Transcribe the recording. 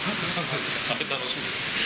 あれ、楽しみです。